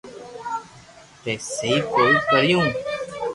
تي سھي ڪوئي ڪيريو